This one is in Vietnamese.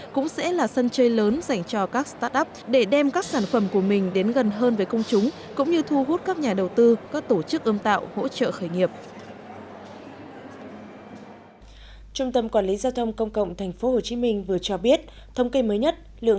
cũng sẽ là sân chơi lớn